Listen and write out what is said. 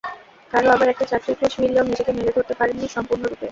কারও আবার একটা চাকরির খোঁজ মিললেও নিজেকে মেলে ধরতে পারেননি সম্পূর্ণরূপে।